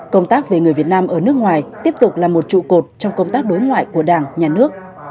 công tác về người việt nam ở nước ngoài tiếp tục là một trụ cột trong công tác đối ngoại của đảng nhà nước